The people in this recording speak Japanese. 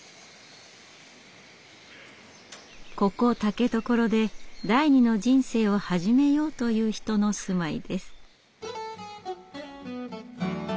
ここ竹所で第二の人生を始めようという人の住まいです。